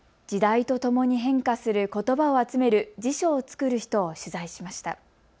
時代とともに変化することばを集める辞書を作る人を取材しました。